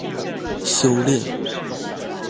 修煉